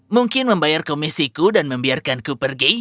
mungkin membayar komisiku dan membiarkanku pergi